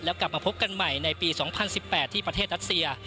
แล้วกลับมาพบกันใหม่ในปี๒๐๑๘ที่ประเทศรัสเซีย